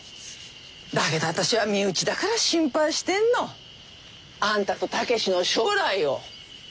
だけど私は身内だから心配してんのあんたと武志の将来を。